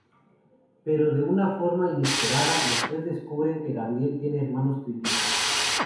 Pero de una forma inesperada, los tres descubren que Gabriel tiene hermanos trillizos.